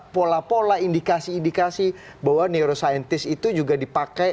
pola pola indikasi indikasi bahwa neuroscientist itu juga dipakai